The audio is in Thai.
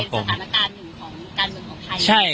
สถานการณ์หนึ่งของการเมืองของไทย